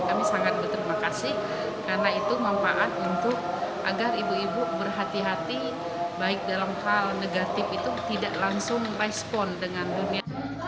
kami sangat berterima kasih karena itu manfaat untuk agar ibu ibu berhati hati baik dalam hal negatif itu tidak langsung respon dengan dunia